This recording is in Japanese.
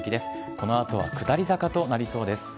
このあとは下り坂となりそうです。